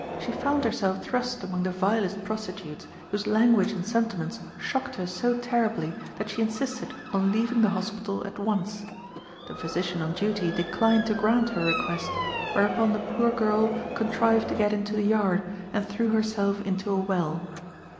She found herself thrust among the vilest prostitutes, whose language and sentiments shocked her so terribly that she insisted on leaving the hospital at once. The physician on duty declined to grant her request, whereupon the poor girl contrived to get into the yard, and threw herself into a well.